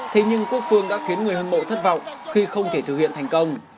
thế nhưng quốc phương đã khiến người hâm mộ thất vọng khi không thể thực hiện thành công